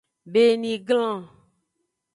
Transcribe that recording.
Beniglan.